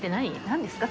何ですか？